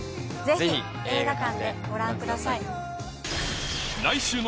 ぜひ映画館でご覧ください。